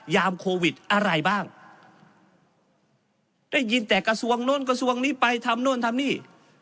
ยามโควิดอะไรบ้างได้ยินแต่กระทรวงโน้นกระทรวงนี้ไปทำโน่นทำนี่